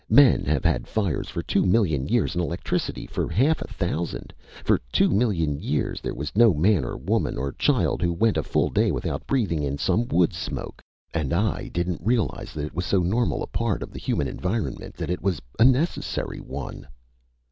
Men have had fires for two million years and electricity for half a thousand. For two million years there was no man or woman or child who went a full day without breathing in some wood smoke! And I didn't realize that it was so normal a part of human environment that it was a necessary one!"